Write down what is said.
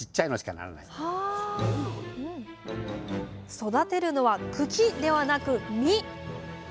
育てるのは茎ではなく実！